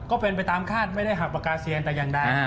ก็เป็นไปตามคาดไม่ได้หักปากกาเซียนแต่อย่างใด